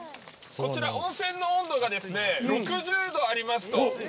温泉の温度が６０度ありますと。